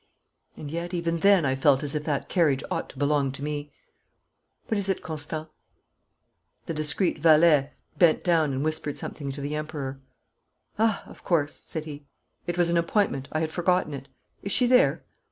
And yet even then I felt as if that carriage ought to belong to me. What is it, Constant?' The discreet valet bent down and whispered something to the Emperor. 'Ah, of course,' said he. 'It was an appointment. I had forgotten it. Is she there?'